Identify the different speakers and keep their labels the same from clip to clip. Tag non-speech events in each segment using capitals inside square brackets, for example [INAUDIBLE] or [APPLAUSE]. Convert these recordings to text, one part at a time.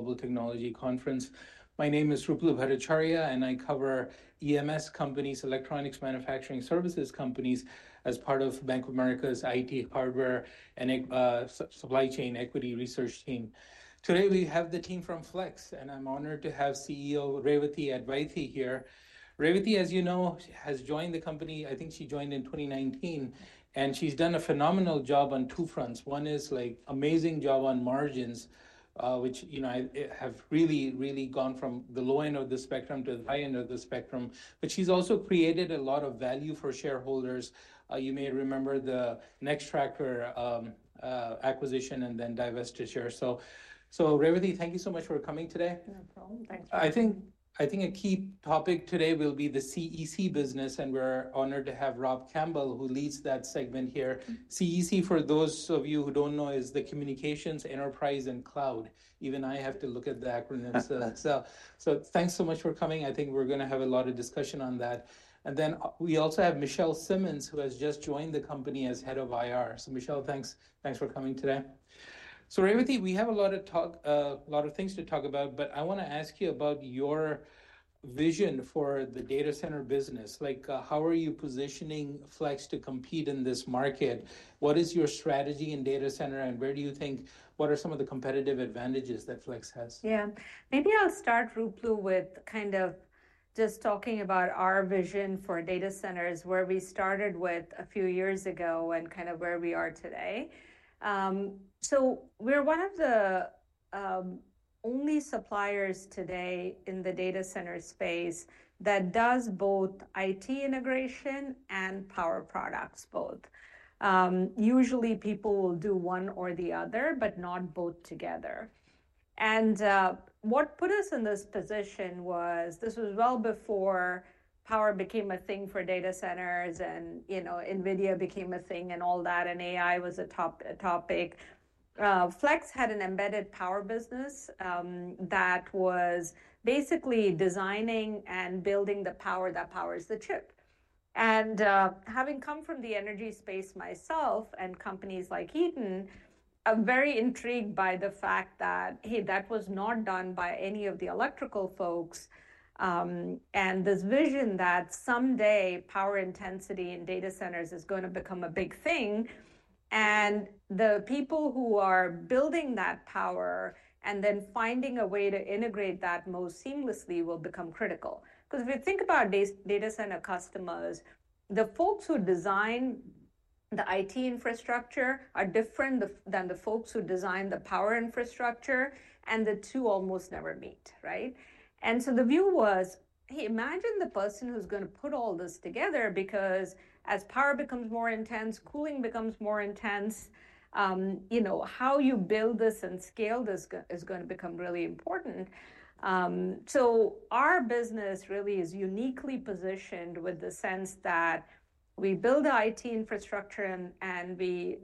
Speaker 1: Global Technology Conference. My name is Ruplu Bhattacharya, and I cover EMS companies, electronics manufacturing services companies, as part of Bank of America's IT hardware and supply chain equity research team. Today we have the team from Flex, and I'm honored to have CEO Revathi Advaithi here. Revathi, as you know, has joined the company. I think she joined in 2019, and she's done a phenomenal job on two fronts. One is like an amazing job on margins, which, you know, have really, really gone from the low end of the spectrum to the high end of the spectrum. She's also created a lot of value for shareholders. You may remember the Nextracker acquisition and then divestiture. Revathi, thank you so much for coming today.
Speaker 2: No problem. Thanks.
Speaker 1: I think a key topic today will be the CEC business, and we're honored to have Rob Campbell, who leads that segment here. CEC, for those of you who don't know, is the Communications, Enterprise, and Cloud. Even I have to look at the acronyms. Thanks so much for coming. I think we're going to have a lot of discussion on that. We also have Michelle Simmons, who has just joined the company as Head of IR. Michelle, thanks for coming today. Revathi, we have a lot of things to talk about, but I want to ask you about your vision for the data center business. How are you positioning Flex to compete in this market? What is your strategy in data center, and where do you think, what are some of the competitive advantages that Flex has?
Speaker 2: Yeah, maybe I'll start, Ruplu, with kind of just talking about our vision for data centers, where we started with a few years ago and kind of where we are today. We're one of the only suppliers today in the data center space that does both IT integration and power products both. Usually, people will do one or the other, but not both together. What put us in this position was, this was well before power became a thing for data centers and, you know, NVIDIA became a thing and all that, and AI was a top topic. Flex had an embedded power business that was basically designing and building the power that powers the chip. Having come from the energy space myself and companies like Eaton, I'm very intrigued by the fact that, hey, that was not done by any of the electrical folks. This vision that someday power intensity in data centers is going to become a big thing. The people who are building that power and then finding a way to integrate that most seamlessly will become critical. If you think about data center customers, the folks who design the IT infrastructure are different than the folks who design the power infrastructure, and the two almost never meet, right? The view was, hey, imagine the person who's going to put all this together because as power becomes more intense, cooling becomes more intense, you know, how you build this and scale this is going to become really important. Our business really is uniquely positioned with the sense that we build the IT infrastructure and we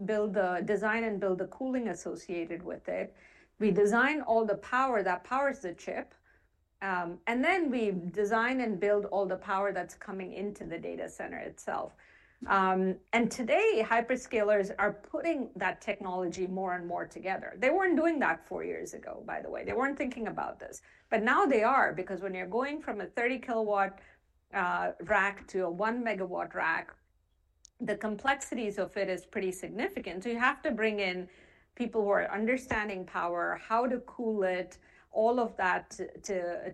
Speaker 2: design and build the cooling associated with it. We design all the power that powers the chip, and then we design and build all the power that's coming into the data center itself. Today, hyperscalers are putting that technology more and more together. They were not doing that four years ago, by the way. They were not thinking about this. Now they are, because when you are going from a 30 kW rack to a 1 MW rack, the complexities of it are pretty significant. You have to bring in people who are understanding power, how to cool it, all of that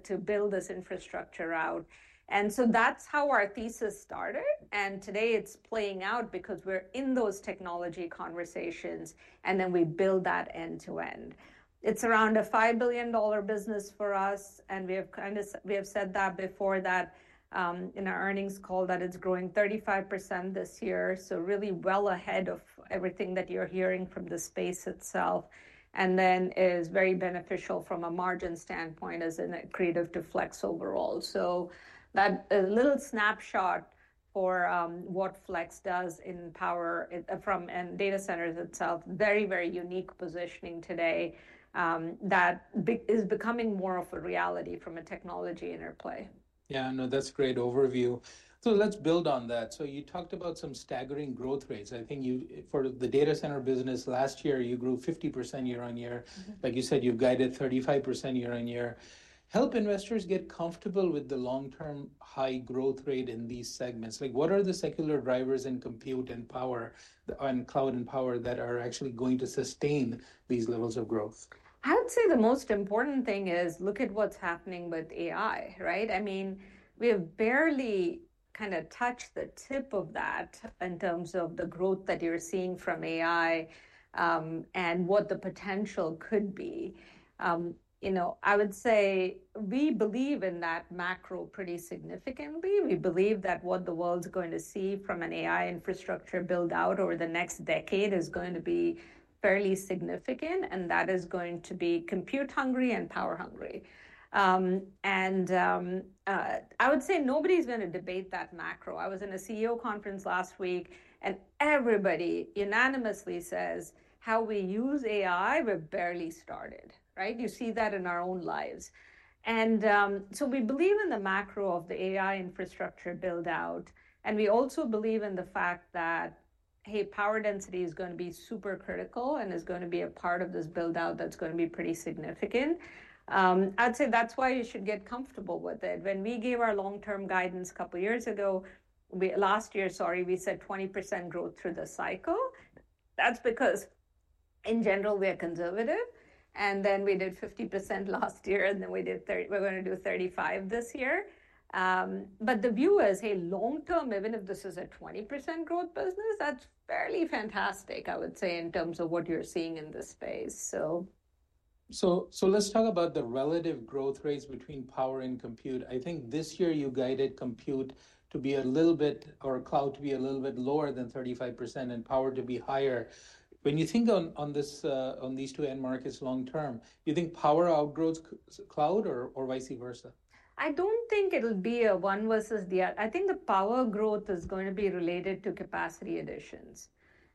Speaker 2: to build this infrastructure out. That is how our thesis started. Today it is playing out because we are in those technology conversations, and then we build that end to end. It's around a $5 billion business for us, and we have kind of said that before that in our earnings call that it's growing 35% this year. Really well ahead of everything that you're hearing from the space itself. It is very beneficial from a margin standpoint as a creative to Flex overall. That is a little snapshot for what Flex does in power from and data centers itself. Very, very unique positioning today that is becoming more of a reality from a technology interplay.
Speaker 1: Yeah, no, that's a great overview. Let's build on that. You talked about some staggering growth rates. I think for the data center business last year, you grew 50% year on year. Like you said, you've guided 35% year on year. Help investors get comfortable with the long-term high growth rate in these segments. Like, what are the secular drivers in compute and power and cloud and power that are actually going to sustain these levels of growth?
Speaker 2: I would say the most important thing is look at what's happening with AI, right? I mean, we have barely kind of touched the tip of that in terms of the growth that you're seeing from AI and what the potential could be. You know, I would say we believe in that macro pretty significantly. We believe that what the world's going to see from an AI infrastructure build-out over the next decade is going to be fairly significant, and that is going to be compute hungry and power hungry. I would say nobody's going to debate that macro. I was in a CEO conference last week, and everybody unanimously says how we use AI, we've barely started, right? You see that in our own lives. We believe in the macro of the AI infrastructure build-out, and we also believe in the fact that, hey, power density is going to be super critical and is going to be a part of this build-out that's going to be pretty significant. I'd say that's why you should get comfortable with it. When we gave our long-term guidance a couple of years ago, last year, sorry, we said 20% growth through the cycle. That's because, in general, we are conservative. Then we did 50% last year, and then we did 30%. We're going to do 35% this year. The view is, hey, long-term, even if this is a 20% growth business, that's fairly fantastic, I would say, in terms of what you're seeing in this space.
Speaker 1: Let's talk about the relative growth rates between power and compute. I think this year you guided compute to be a little bit, or cloud to be a little bit lower than 35% and power to be higher. When you think on these two end markets long-term, you think power outgrows cloud or vice versa?
Speaker 2: I don't think it'll be a one versus the other. I think the power growth is going to be related to capacity additions.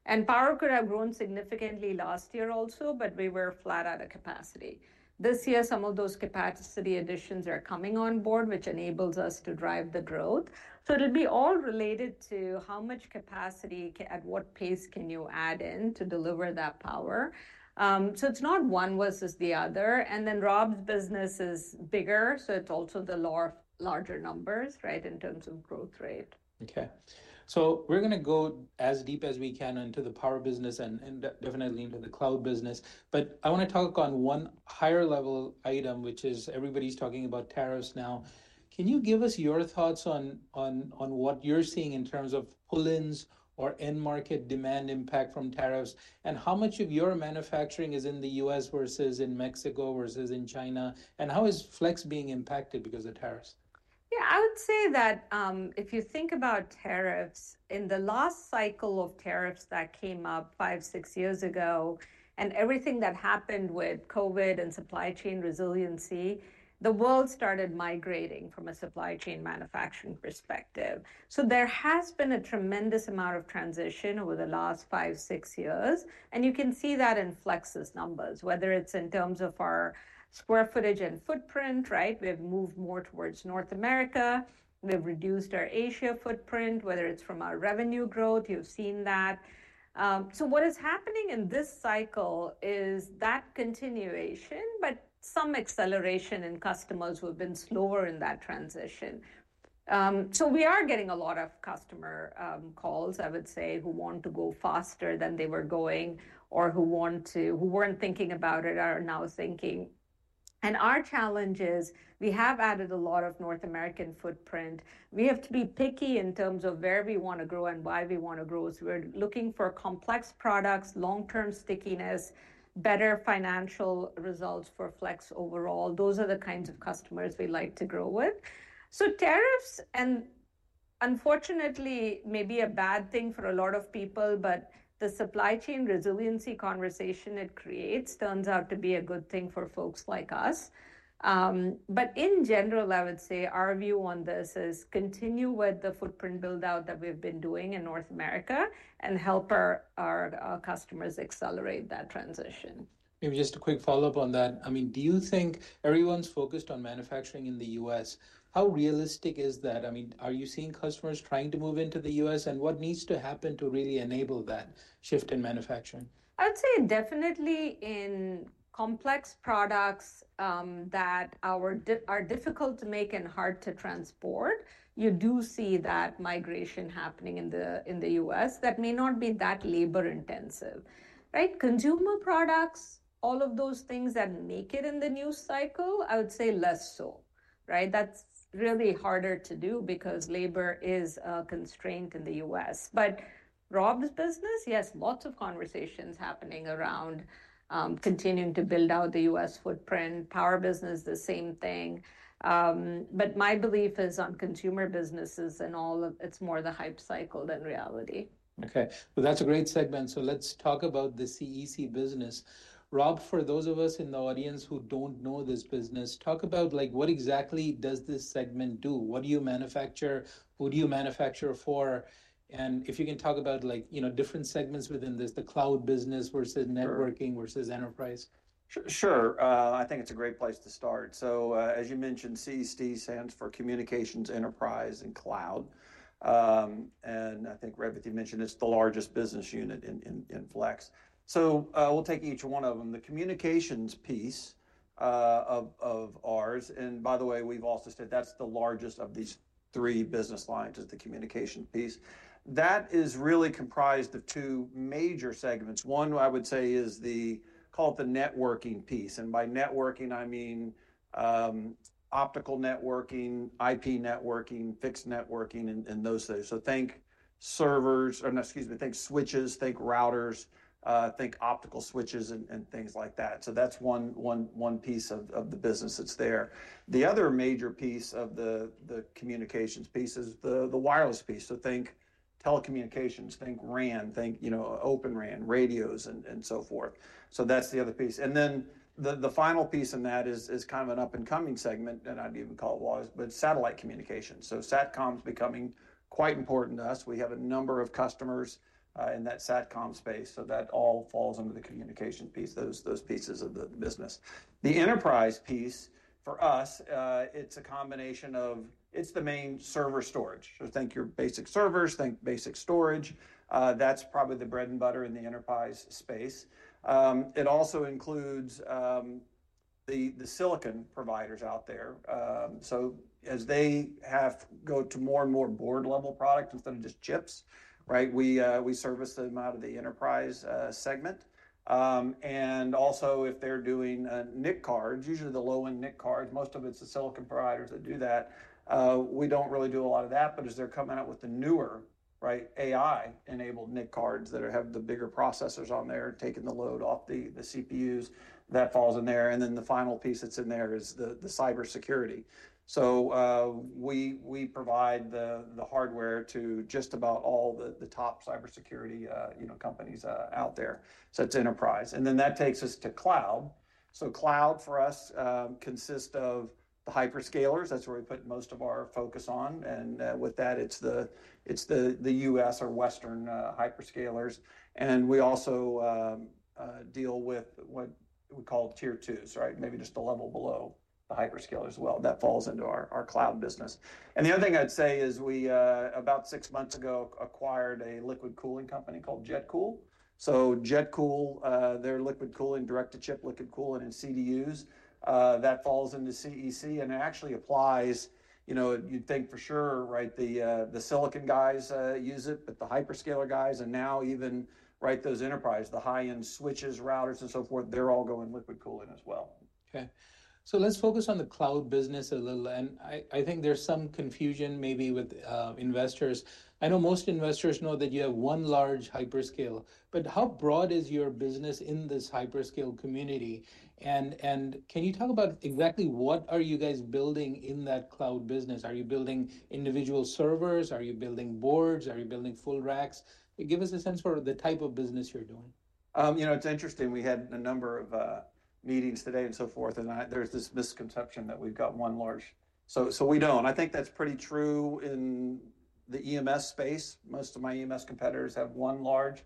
Speaker 2: And power could have grown significantly last year also, but we were flat out of capacity. This year, some of those capacity additions are coming on board, which enables us to drive the growth. It'll be all related to how much capacity at what pace can you add in to deliver that power. It's not one versus the other. Rob's business is bigger, so it's also the larger numbers, right, in terms of growth rate.
Speaker 1: Okay. We are going to go as deep as we can into the power business and definitely into the cloud business. I want to talk on one higher level item, which is everybody's talking about tariffs now. Can you give us your thoughts on what you're seeing in terms of pullings or end market demand impact from tariffs and how much of your manufacturing is in the U.S. versus in Mexico versus in China? How is Flex being impacted because of tariffs?
Speaker 2: Yeah, I would say that if you think about tariffs, in the last cycle of tariffs that came up five, six years ago and everything that happened with COVID and supply chain resiliency, the world started migrating from a supply chain manufacturing perspective. There has been a tremendous amount of transition over the last five, six years. You can see that in Flex's numbers, whether it's in terms of our square footage and footprint, right? We have moved more towards North America. We have reduced our Asia footprint, whether it's from our revenue growth. You've seen that. What is happening in this cycle is that continuation, but some acceleration in customers who have been slower in that transition. We are getting a lot of customer calls, I would say, who want to go faster than they were going or who were not thinking about it or are now thinking. Our challenge is we have added a lot of North American footprint. We have to be picky in terms of where we want to grow and why we want to grow. We are looking for complex products, long-term stickiness, better financial results for Flex overall. Those are the kinds of customers we like to grow with. Tariffs and unfortunately, maybe a bad thing for a lot of people, but the supply chain resiliency conversation it creates turns out to be a good thing for folks like us. In general, I would say our view on this is continue with the footprint build-out that we have been doing in North America and help our customers accelerate that transition.
Speaker 1: Maybe just a quick follow-up on that. I mean, do you think everyone's focused on manufacturing in the U.S.? How realistic is that? I mean, are you seeing customers trying to move into the U.S.? What needs to happen to really enable that shift in manufacturing?
Speaker 2: I would say definitely in complex products that are difficult to make and hard to transport, you do see that migration happening in the U.S. that may not be that labor intensive, right? Consumer products, all of those things that make it in the news cycle, I would say less so, right? That's really harder to do because labor is constrained in the U.S. Rob's business, yes, lots of conversations happening around continuing to build out the U.S. footprint. Power business, the same thing. My belief is on consumer businesses and all, it's more the hype cycle than reality.
Speaker 1: Okay. That's a great segment. Let's talk about the CEC business. Rob, for those of us in the audience who don't know this business, talk about like what exactly does this segment do? What do you manufacture? Who do you manufacture for? If you can talk about like, you know, different segments within this, the cloud business versus networking versus enterprise.
Speaker 3: Sure. I think it's a great place to start. As you mentioned, CEC stands for Communications, Enterprise, and Cloud. I think Revathi mentioned it's the largest business unit in Flex. We'll take each one of them. The communications piece of ours, and by the way, we've also said that's the largest of these three business lines, is the communications piece. That is really comprised of two major segments. One, I would say, is the, call it the networking piece. By networking, I mean optical networking, IP networking, fixed networking, and those things. Think switches, think routers, think optical switches and things like that. That's one piece of the business that's there. The other major piece of the communications piece is the wireless piece. Think telecommunications, think RAN, think, you know, Open RAN, radios, and so forth. That's the other piece. The final piece in that is kind of an up-and-coming segment, and I'd even call it wireless, but satellite communication. Satcom is becoming quite important to us. We have a number of customers in that satcom space. That all falls under the communication piece, those pieces of the business. The enterprise piece for us, it's a combination of, it's the main server storage. Think your basic servers, think basic storage. That's probably the bread and butter in the enterprise space. It also includes the silicon providers out there. As they have to go to more and more board-level products than just chips, right? We service them out of the enterprise segment. Also, if they're doing NIC cards, usually the low-end NIC cards, most of it's the silicon providers that do that. We do not really do a lot of that, but as they are coming out with the newer, right, AI-enabled NIC cards that have the bigger processors on there, taking the load off the CPUs, that falls in there. The final piece that is in there is the cybersecurity. We provide the hardware to just about all the top cybersecurity companies out there. That is enterprise. That takes us to cloud. Cloud for us consists of the hyperscalers. That is where we put most of our focus. With that, it is the U.S. or Western hyperscalers. We also deal with what we call tier twos, right? Maybe just a level below the hyperscalers as well. That falls into our cloud business. The other thing I would say is we, about six months ago, acquired a liquid cooling company called JetCool. JetCool, their liquid cooling, direct-to-chip liquid cooling and CDUs, that falls into CEC. And it actually applies, you know, you'd think for sure, right? The silicon guys use it, but the hyperscaler guys, and now even, right, those enterprise, the high-end switches, routers, and so forth, they're all going liquid cooling as well.
Speaker 1: Okay. Let's focus on the cloud business a little. I think there's some confusion maybe with investors. I know most investors know that you have one large hyperscale, but how broad is your business in this hyperscale community? Can you talk about exactly what are you guys building in that cloud business? Are you building individual servers? Are you building boards? Are you building full racks? Give us a sense for the type of business you're doing.
Speaker 3: You know, it's interesting. We had a number of meetings today and so forth, and there's this misconception that we've got one large. We don't. I think that's pretty true in the EMS space. Most of my EMS competitors have one large.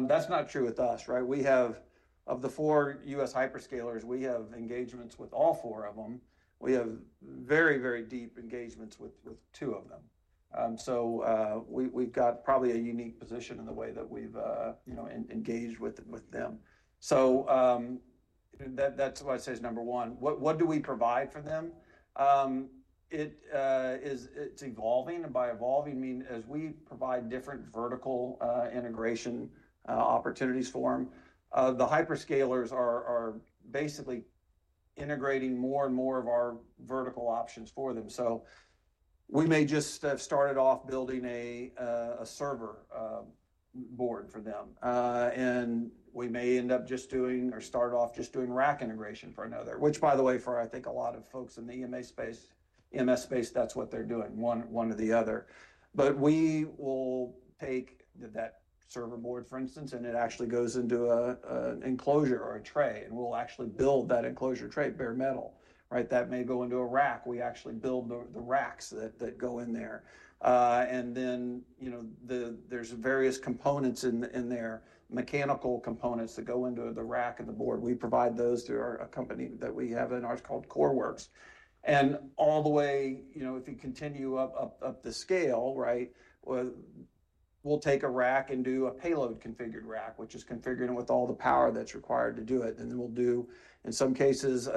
Speaker 3: That's not true with us, right? We have, of the four U.S. hyperscalers, we have engagements with all four of them. We have very, very deep engagements with two of them. We've got probably a unique position in the way that we've engaged with them. That's why I say it's number one. What do we provide for them? It's evolving. By evolving, I mean as we provide different vertical integration opportunities for them, the hyperscalers are basically integrating more and more of our vertical options for them. We may just have started off building a server board for them. We may end up just doing or start off just doing rack integration for another, which, by the way, for I think a lot of folks in the EMS space, that's what they're doing, one or the other. We will take that server board, for instance, and it actually goes into an enclosure or a tray, and we'll actually build that enclosure tray, bare metal, right? That may go into a rack. We actually build the racks that go in there. You know, there's various components in there, mechanical components that go into the rack and the board. We provide those through a company that we have in ours called Coreworks. All the way, you know, if you continue up the scale, right, we'll take a rack and do a payload configured rack, which is configured with all the power that's required to do it. We will do, in some cases,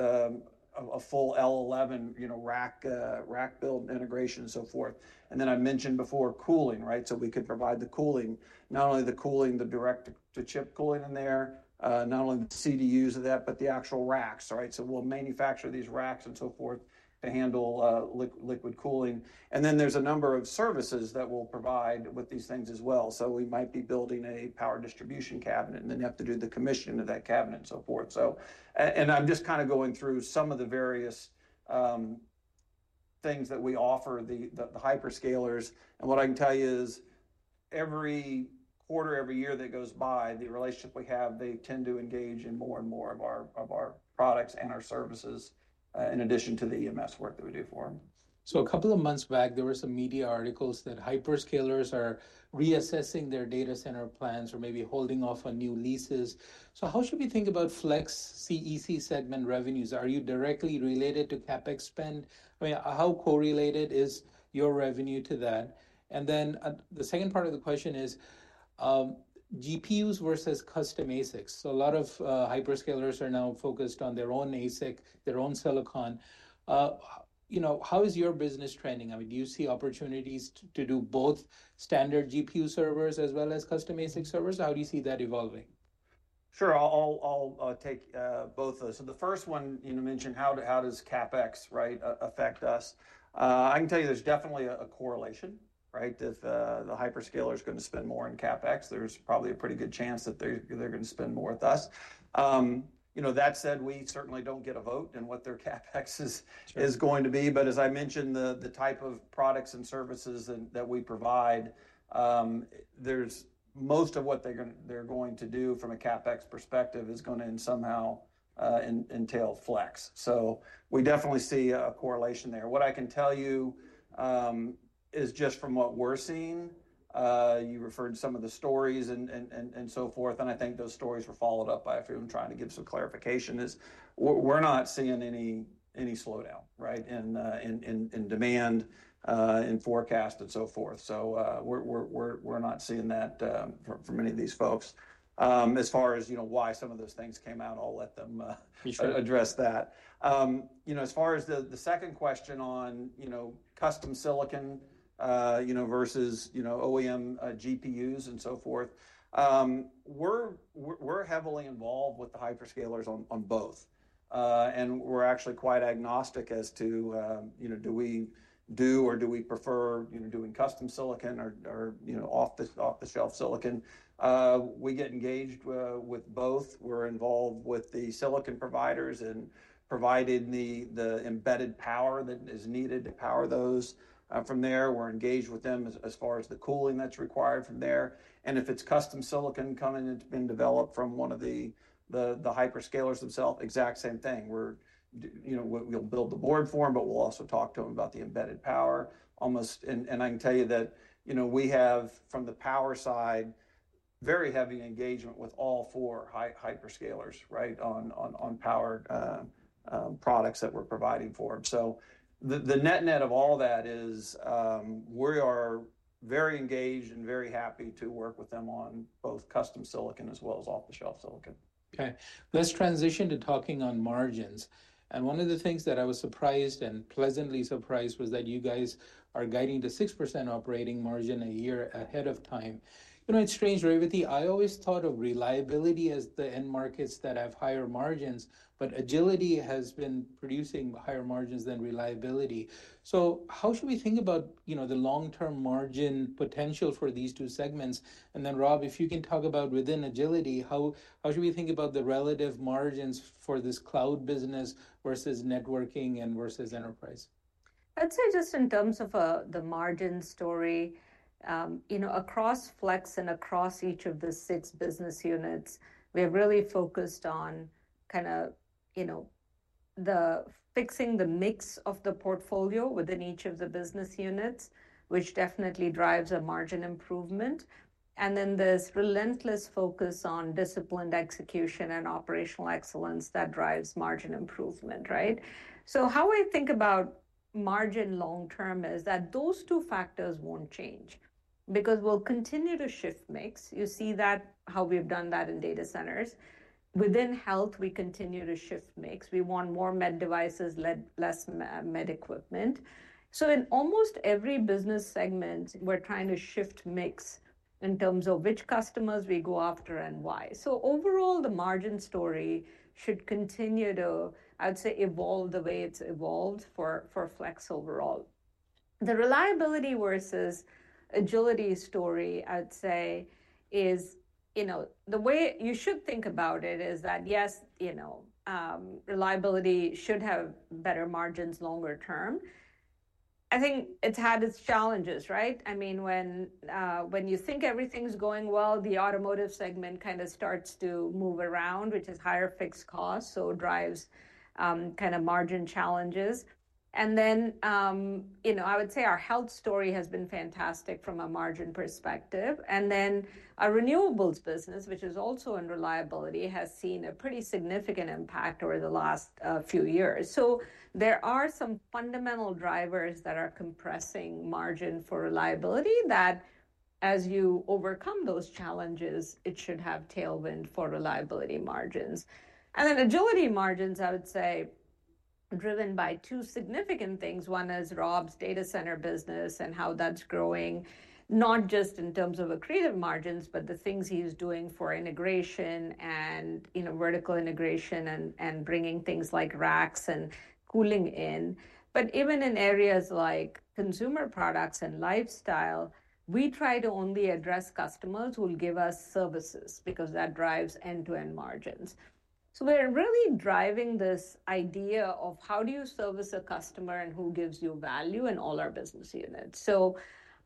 Speaker 3: a full L11 rack build integration and so forth. I mentioned before cooling, right? We could provide the cooling, not only the cooling, the direct-to-chip cooling in there, not only the CDUs of that, but the actual racks, right? We will manufacture these racks and so forth to handle liquid cooling. There are a number of services that we will provide with these things as well. We might be building a power distribution cabinet, and then you have to do the commission of that cabinet and so forth. I am just kind of going through some of the various things that we offer the hyperscalers. What I can tell you is every quarter, every year that goes by, the relationship we have, they tend to engage in more and more of our products and our services in addition to the EMS work that we do for them.
Speaker 1: A couple of months back, there were some media articles that hyperscalers are reassessing their data center plans or maybe holding off on new leases. How should we think about Flex CEC segment revenues? Are you directly related to CapEx spend? How correlated is your revenue to that? The second part of the question is GPUs versus custom ASICs. A lot of hyperscalers are now focused on their own ASIC, their own silicon. You know, how is your business trending? I mean, do you see opportunities to do both standard GPU servers as well as custom ASIC servers? How do you see that evolving?
Speaker 3: Sure. I'll take both of those. The first one, you mentioned how does CapEx, right, affect us? I can tell you there's definitely a correlation, right? If the hyperscaler is going to spend more in CapEx, there's probably a pretty good chance that they're going to spend more with us. You know, that said, we certainly don't get a vote in what their CapEx is going to be. As I mentioned, the type of products and services that we provide, most of what they're going to do from a CapEx perspective is going to somehow entail Flex. We definitely see a correlation there. What I can tell you is just from what we're seeing, you referred to some of the stories and so forth, and I think those stories were followed up by, if you're trying to give some clarification, is we're not seeing any slowdown, right, in demand, in forecast, and so forth. We're not seeing that from any of these folks. As far as, you know, why some of those things came out, I'll let them address that. As far as the second question on, you know, custom silicon, you know, versus, you know, OEM GPUs and so forth, we're heavily involved with the hyperscalers on both. We're actually quite agnostic as to, you know, do we do or do we prefer doing custom silicon or off-the-shelf silicon. We get engaged with both. We're involved with the silicon providers and providing the embedded power that is needed to power those from there. We're engaged with them as far as the cooling that's required from there. If it's custom silicon coming and being developed from one of the hyperscalers themselves, exact same thing. We're, you know, we'll build the board for them, but we'll also talk to them about the embedded power almost. I can tell you that, you know, we have from the power side, very heavy engagement with all four hyperscalers, right, on power products that we're providing for them. The net-net of all that is we are very engaged and very happy to work with them on both custom silicon as well as off-the-shelf silicon.
Speaker 1: Okay. Let's transition to talking on margins. One of the things that I was surprised and pleasantly surprised was that you guys are guiding the 6% operating margin a year ahead of time. You know, it's strange, Revathi, I always thought of reliability as the end markets that have higher margins, but agility has been producing higher margins than reliability. How should we think about, you know, the long-term margin potential for these two segments? Rob, if you can talk about within agility, how should we think about the relative margins for this cloud business versus networking and versus enterprise?
Speaker 2: I'd say just in terms of the margin story, you know, across Flex and across each of the six business units, we have really focused on kind of, you know, fixing the mix of the portfolio within each of the business units, which definitely drives a margin improvement. Then there's relentless focus on disciplined execution and operational excellence that drives margin improvement, right? How I think about margin long-term is that those two factors won't change because we'll continue to shift mix. You see that how we have done that in data centers. Within health, we continue to shift mix. We want more med devices, less med equipment. In almost every business segment, we're trying to shift mix in terms of which customers we go after and why. Overall, the margin story should continue to, I'd say, evolve the way it's evolved for Flex overall. The reliability versus agility story, I'd say, is, you know, the way you should think about it is that, yes, you know, reliability should have better margins longer term. I think it's had its challenges, right? I mean, when you think everything's going well, the automotive segment kind of starts to move around, which is higher fixed costs, so it drives kind of margin challenges. I would say our health story has been fantastic from a margin perspective. Our renewables business, which is also in reliability, has seen a pretty significant impact over the last few years. There are some fundamental drivers that are compressing margin for reliability that, as you overcome those challenges, it should have tailwind for reliability margins. Agility margins, I would say, driven by two significant things. One is Rob's data center business and how that's growing, not just in terms of accretive margins, but the things he's doing for integration and, you know, vertical integration and bringing things like racks and cooling in. Even in areas like consumer products and lifestyle, we try to only address customers who will give us services because that drives end-to-end margins. We are really driving this idea of how do you service a customer and who gives you value in all our business units.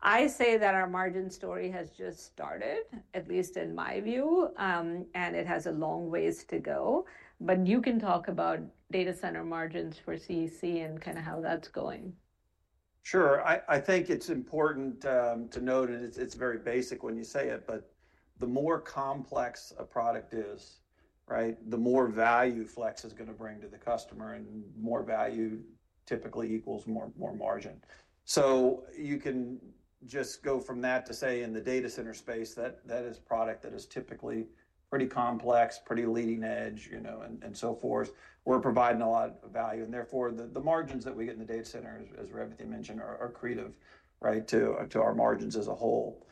Speaker 2: I say that our margin story has just started, at least in my view, and it has a long ways to go. You can talk about data center margins for CEC and kind of how that's going.
Speaker 3: Sure. I think it's important to note, and it's very basic when you say it, but the more complex a product is, right, the more value Flex is going to bring to the customer, and more value typically equals more margin. You can just go from that to say in the data center space that that is a product that is typically pretty complex, pretty leading edge, you know, and so forth. We're providing a lot of value. Therefore, the margins that we get in the data center, as Revathi mentioned, are accretive, right, to our margins as a whole.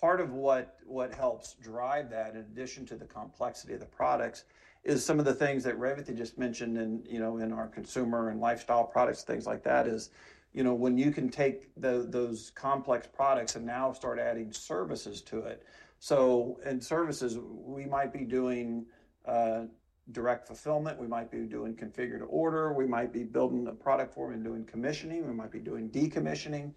Speaker 3: Part of what helps drive that, in addition to the complexity of the products, is some of the things that Revathi just mentioned in our consumer and lifestyle products, things like that, is, you know, when you can take those complex products and now start adding services to it. In services, we might be doing direct fulfillment, we might be doing configured order, we might be building a product for them and doing commissioning, we might be doing decommissioning,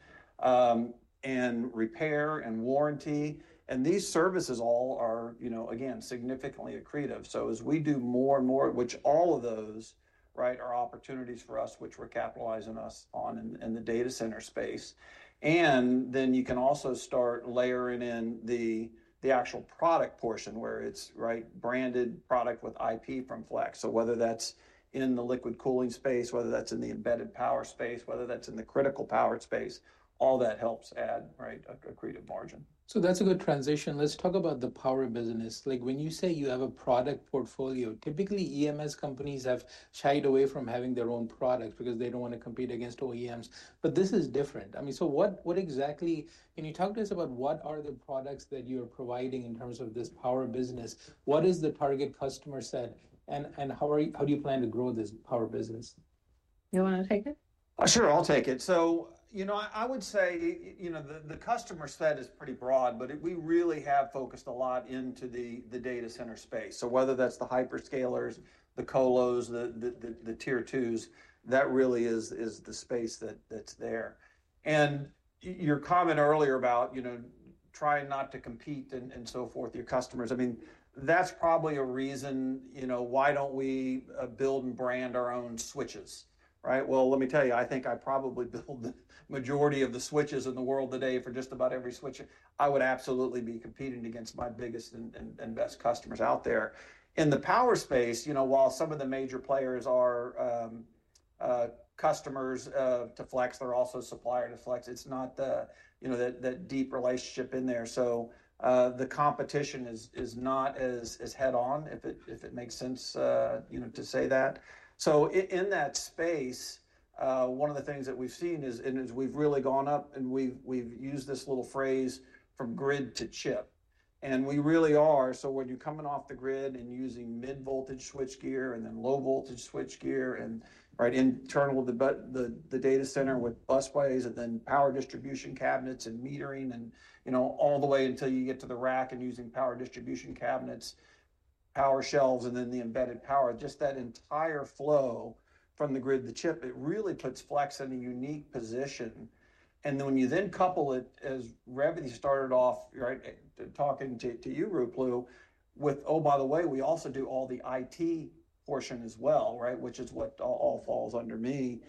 Speaker 3: and repair and warranty. These services all are, you know, again, significantly accretive. As we do more and more, which all of those, right, are opportunities for us, which we're capitalizing on in the data center space. You can also start layering in the actual product portion where it's, right, branded product with IP from Flex. Whether that's in the liquid cooling space, whether that's in the embedded power space, whether that's in the critical power space, all that helps add, right, accretive margin.
Speaker 1: That's a good transition. Let's talk about the power business. Like, when you say you have a product portfolio, typically EMS companies have shied away from having their own products because they don't want to compete against OEMs. But this is different. I mean, so what exactly, can you talk to us about what are the products that you're providing in terms of this power business? What is the target customer set? And how do you plan to grow this power business?
Speaker 2: You want to take it?
Speaker 3: Sure, I'll take it. I would say, you know, the customer set is pretty broad, but we really have focused a lot into the data center space. Whether that's the hyperscalers, the colos, the tier twos, that really is the space that's there. Your comment earlier about, you know, trying not to compete and so forth, your customers, I mean, that's probably a reason, you know, why don't we build and brand our own switches, right? Let me tell you, I think I probably build the majority of the switches in the world today for just about every switch. I would absolutely be competing against my biggest and best customers out there. In the power space, you know, while some of the major players are customers to Flex, they're also suppliers to Flex. It's not, you know, that deep relationship in there. The competition is not as head-on, if it makes sense, you know, to say that. In that space, one of the things that we've seen is, and as we've really gone up, and we've used this little phrase from grid to chip. We really are. When you're coming off the grid and using mid-voltage switch gear and then low-voltage switch gear and, right, internal of the data center with busways and then power distribution cabinets and metering and, you know, all the way until you get to the rack and using power distribution cabinets, power shelves, and then the embedded power, just that entire flow from the grid to chip, it really puts Flex in a unique position. When you then couple it, as Revathi started off, right, talking to you, Ruplu, with, oh, by the way, we also do all the IT portion as well, right, which is what all falls under me.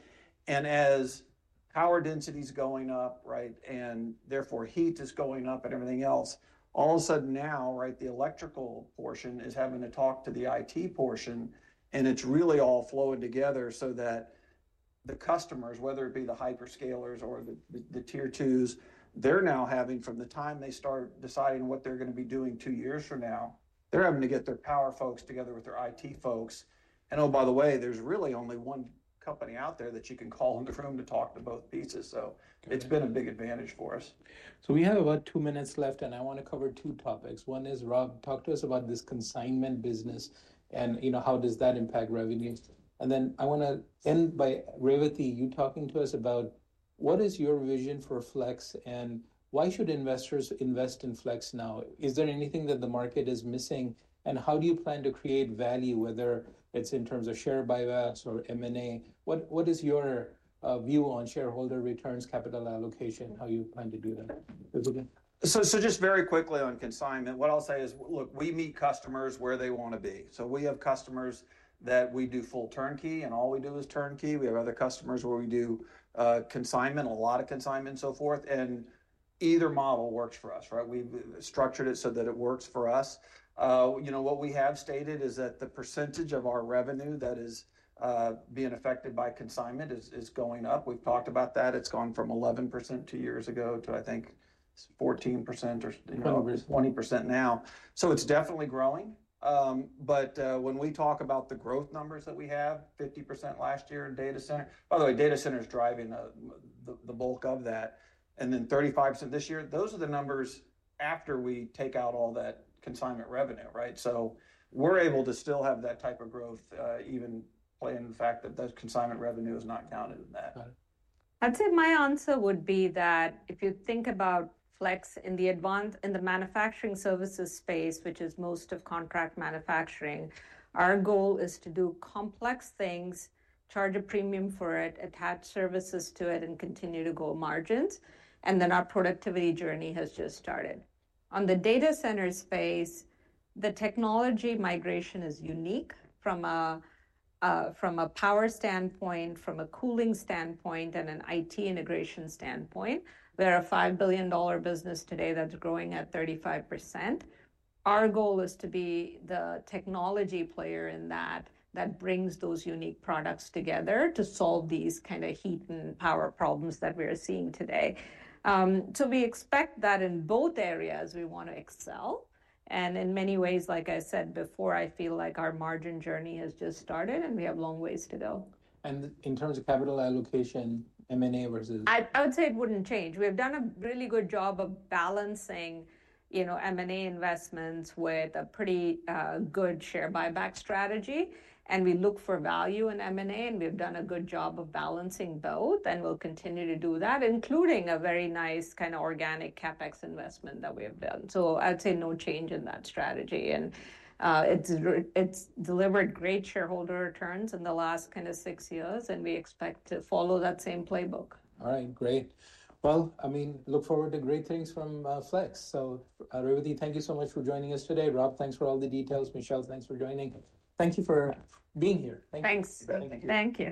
Speaker 3: As power density is going up, right, and therefore heat is going up and everything else, all of a sudden now, right, the electrical portion is having to talk to the IT portion, and it is really all flowing together so that the customers, whether it be the hyperscalers or the tier twos, they are now having, from the time they start deciding what they are going to be doing two years from now, they are having to get their power folks together with their IT folks. Oh, by the way, there is really only one company out there that you can call on the phone to talk to both pieces. It's been a big advantage for us.
Speaker 1: We have about two minutes left, and I want to cover two topics. One is, Rob, talk to us about this consignment business and, you know, how does that impact revenues. I want to end by, Revathi, you talking to us about what is your vision for Flex and why should investors invest in Flex now? Is there anything that the market is missing? How do you plan to create value, whether it's in terms of share buybacks or M&A? What is your view on shareholder returns, capital allocation, how you plan to do that?
Speaker 3: Just very quickly on consignment, what I'll say is, look, we meet customers where they want to be. We have customers that we do full turnkey and all we do is turnkey. We have other customers where we do consignment, a lot of consignment and so forth. Either model works for us, right? We structured it so that it works for us. You know, what we have stated is that the percentage of our revenue that is being affected by consignment is going up. We've talked about that. It's gone from 11% two years ago to, I think, 14% or 20% now. It is definitely growing. When we talk about the growth numbers that we have, 50% last year in data center, by the way, data center is driving the bulk of that. 35% this year, those are the numbers after we take out all that consignment revenue, right? We are able to still have that type of growth even playing the fact that that consignment revenue is not counted in that.
Speaker 2: I'd say my answer would be that if you think about Flex in the manufacturing services space, which is most of contract manufacturing, our goal is to do complex things, charge a premium for it, attach services to it, and continue to grow margins. Our productivity journey has just started. In the data center space, the technology migration is unique from a power standpoint, from a cooling standpoint, and an IT integration standpoint. We're a $5 billion business today that's growing at 35%. Our goal is to be the technology player in that that brings those unique products together to solve these kind of heat and power problems that we are seeing today. We expect that in both areas, we want to excel. In many ways, like I said before, I feel like our margin journey has just started and we have long ways to go.
Speaker 1: In terms of capital allocation, M&A versus
Speaker 2: I would say it would not change. We have done a really good job of balancing, you know, M&A investments with a pretty good share buyback strategy. We look for value in M&A, and we have done a good job of balancing both, and we will continue to do that, including a very nice kind of organic CapEx investment that we have done. I would say no change in that strategy. It has delivered great shareholder returns in the last kind of six years, and we expect to follow that same playbook.
Speaker 1: All right, great. I mean, look forward to great things from Flex. Revathi, thank you so much for joining us today. Rob, thanks for all the details. Michelle, thanks for joining. Thank you for being here.
Speaker 2: [CROSSTALK] Thank you.